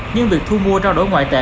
nhưng việc thu mua trao đổi ngoại tệ